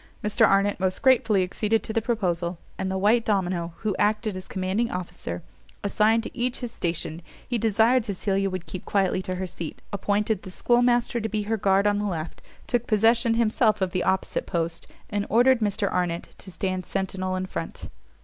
Mr Arnott most gratefully acceded to the proposal; and the white domino, who acted as commanding officer, assigned to each his station: he desired Cecilia would keep quietly to her seat, appointed the schoolmaster to be her guard on the left, took possession himself of the opposite post, and ordered Mr Arnott to stand centinel in front.